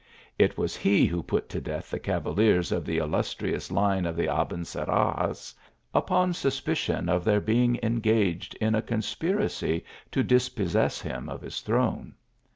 It was he who put to death the cavaliers of the illustrious line of the Abencerrages, upon suspicion of their being engaged in a conspir acy to dispossess him of his throne.